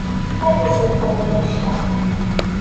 Ad as-neqbel annect-a.